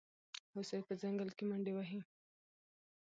هوسۍ په ځنګل کې منډې وهي.